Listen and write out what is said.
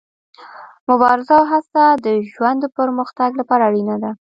مبارزه او هڅه د ژوند د پرمختګ لپاره اړینه ده.